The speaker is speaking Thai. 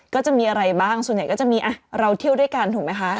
ก็จะมีอะไรบ้างส่วนใหญ่ก็จะมีเราเที่ยวด้วยกันถูกไหมคะ